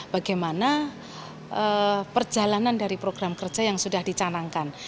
bagaimana perjalanan dari program kerja yang sudah dicanangkan